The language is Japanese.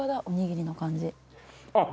おにぎりの感じ」